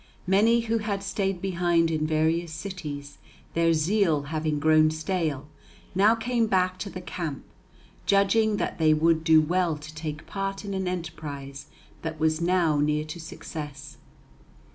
Many who had stayed behind in various cities, their zeal having grown stale, now came back to the camp, judging that they would do well to take part in an enterprise that was now near to success.